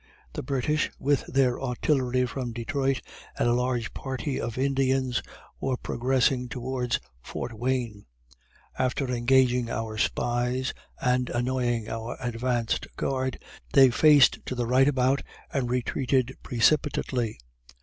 The British, with their artillery from Detroit, and a large party of Indians, were progressing towards Fort Wayne. After engaging our spies, and annoying our advanced guard, they faced to the right about and retreated precipitately.